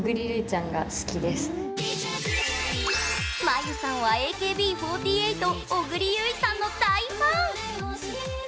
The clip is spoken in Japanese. まゆさんはＡＫＢ４８小栗有以さんの大ファン！